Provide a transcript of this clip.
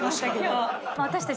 私たち